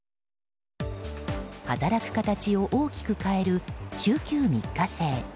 働く形を大きく変える週休３日制。